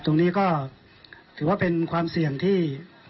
ตรงนี้ก็ถือว่าเป็นความเสี่ยงที่